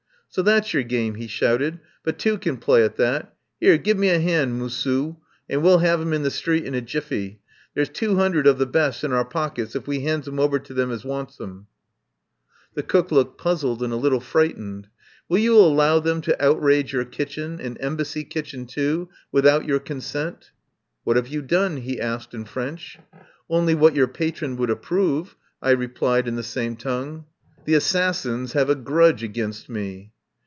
"So that's yer game," he shouted. "But two can play at that. 'Ere, give me an 'and, moosoo, and we'll 'ave him in the street in a jiffy. There's two 'undred of the best in our pockets if we 'ands 'im over to them as wants 'im." 181 THE POWER HOUSE The cook looked puzzled and a little frightened. "Will you allow them to outrage your kitchen — an Embassy kitchen too — without your consent?" I said. "What have you done?" he asked in French. "Only what your patron will approve," I replied in the same tongue. "Messieurs les assassins have a grudge against me."